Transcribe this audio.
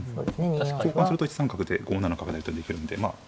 交換すると１三角で５七角成とできるんでまあ。